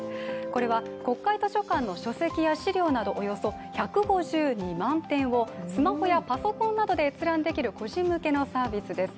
これは、国会図書館の書籍や資料などおよそ１５２万点をスマホやパソコンなどで閲覧できる個人向けのサービスです。